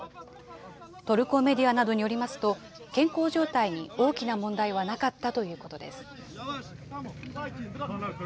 トルコメディアなどによりますと、健康状態に大きな問題はなかったということです。